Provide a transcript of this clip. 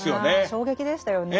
衝撃でしたよね。